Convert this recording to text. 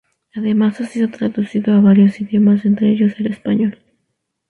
Además ha sido traducido a varios idiomas, entre ellos el español.